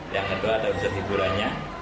yang kedua ada pusat hiburannya